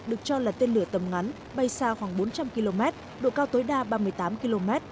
được cho là tên lửa tầm ngắn bay xa khoảng bốn trăm linh km độ cao tối đa ba mươi tám km